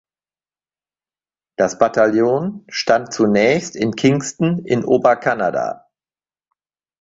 Das Bataillon stand zunächst in Kingston in Oberkanada.